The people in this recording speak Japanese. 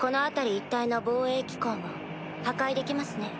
一帯の防衛機構も破壊できますね。